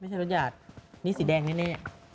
ไม่ใช่รถยาดนี่สีแดงแน่